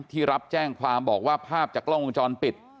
ที่รับแจ้งความบอกว่าภาพจากกล้องวงจรปิด